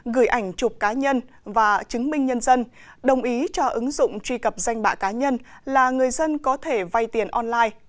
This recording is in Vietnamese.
gửi ảnh chụp cá nhân và chứng minh nhân dân đồng ý cho ứng dụng truy cập danh bạ cá nhân là người dân có thể vay tiền online